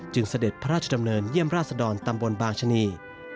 เสด็จพระราชดำเนินเยี่ยมราชดรตำบลบางชะนี